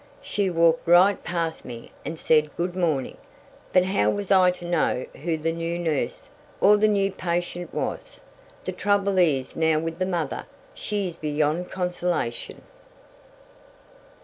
"She walked right past me, and said 'good morning.' But how was I to know who the new nurse, or the new patient was? The trouble is now with the mother. She is beyond consolation."